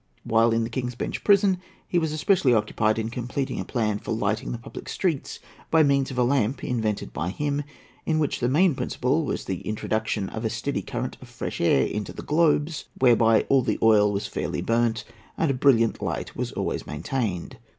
While in the King's Bench Prison he was especially occupied in completing a plan for lighting the public streets by means of a lamp invented by him, in which the main principle was the introduction of a steady current of fresh air into the globes, whereby all the oil was fairly burnt, and a brilliant light was always maintained.